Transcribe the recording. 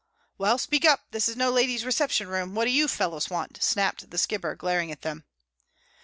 "Well, speak up. This is no ladies' reception room. What do you fellows want?" snapped The Skipper, glaring at them.